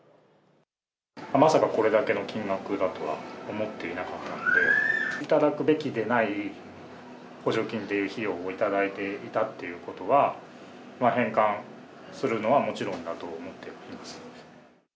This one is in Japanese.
まさかこれだけの金額だとは思っていなかったので、頂くべきでない補助金っていう費用を頂いていたっていうことは、返還するのはもちろんだと思っています。